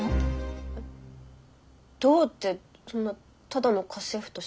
どうってそんなただの家政婦としか。